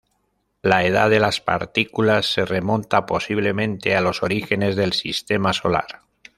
La edad de las partículas se remonta posiblemente a los orígenes del Sistema Solar.